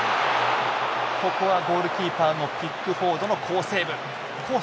ここはゴールキーパーのピックフォードの好セーブ。コース